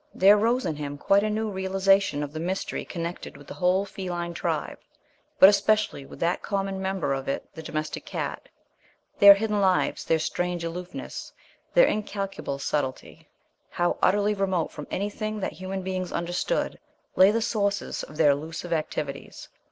There rose in him quite a new realization of the mystery connected with the whole feline tribe, but especially with that common member of it, the domestic cat their hidden lives, their strange aloofness, their incalculable subtlety. How utterly remote from anything that human beings understood lay the sources of their elusive activities.